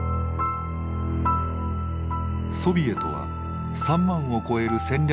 ソビエトは３万を超える戦略